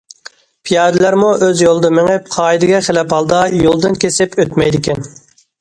پىيادىلەرمۇ ئۆز يولىدا مېڭىپ، قائىدىگە خىلاپ ھالدا يولدىن كېسىپ ئۆتمەيدىكەن.